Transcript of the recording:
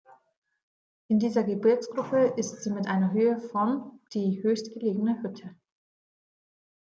In dieser Gebirgsgruppe ist sie mit einer Höhe von die höchstgelegene Hütte.